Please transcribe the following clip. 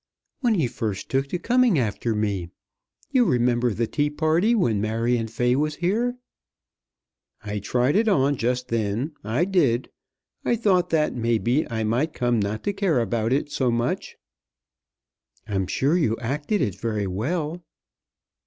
"When he first took to coming after me. You remember the tea party, when Marion Fay was here." "I tried it on just then; I did. I thought that, maybe, I might come not to care about it so much." "I'm sure you acted it very well."